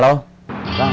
lagi pulang sekarang